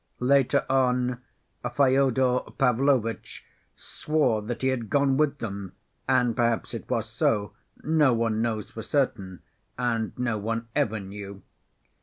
Later on, Fyodor Pavlovitch swore that he had gone with them, and perhaps it was so, no one knows for certain, and no one ever knew.